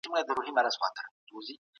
ملکيت بايد د فلاح لپاره وي.